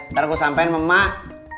ntar gue sampein sama mak